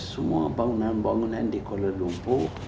semua bangunan bangunan di kuala lumpuh